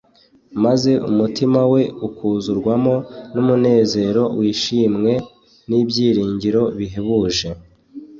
maze umutima we ukuzurwamo n'umunezero w'ishimwe n'ibyiringiro bihebuje.